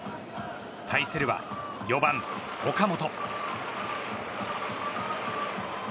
対するは４番、岡本。